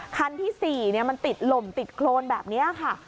คันที่๔มันติดลมติดโครนแบบนี้ค่ะ